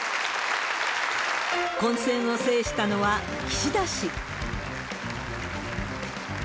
混戦を制したのは岸田氏。